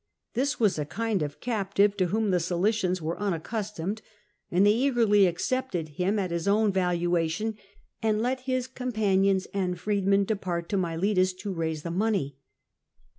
This was a kind of captive to whom the Oilicians were unaccustomed; they eagerly accepted him at his own valuation, and let his com panions and freedmen depart to Miletus to raise the money.